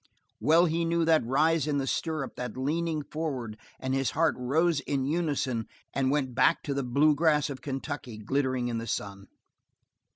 Well he knew that rise in the stirrups, that leaning forward, and his heart rose in unison and went back to the blue grass of Kentucky glittering in the sun.